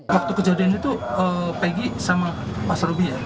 waktu kejadian itu peggy sama mas ruby ya